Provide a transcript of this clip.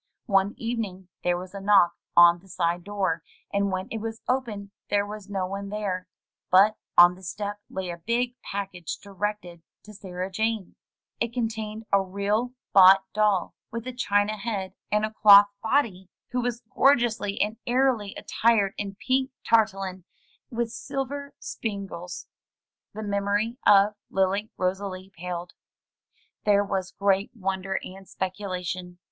One evening there was a knock on the side door, and when it was opened there was no one there, but on the step lay a big package directed to Sarah Jane. It contained a real, bought doll, with a china head and a cloth body, who was 94 THROUGH FAIRY HALLS gorgeously and airily attired in pink tarlatan with silver span gles. The memory of Lily Rosalie paled. There was great wonder and speculation.